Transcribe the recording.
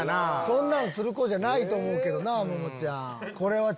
そんなんする子じゃないと思うけどなももちゃん。